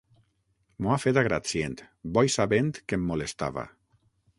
M'ho ha fet a gratcient, bo i sabent que em molestava.